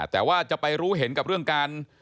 แต่ว่าจะไปรู้เห็นกับเรื่องการ